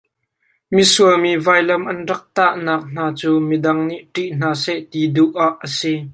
Misual mi vailam an rak tah nak hna cu midang nih ṭih hna seh ti duh ah a si.